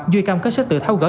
duy cam kết sức tự tháo gỡ